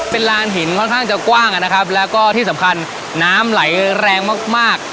เป็นลานหินค่อนข้างจะกว้างนะครับแล้วก็ที่สำคัญน้ำไหลแรงมากมาก